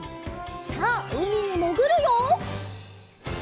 さあうみにもぐるよ！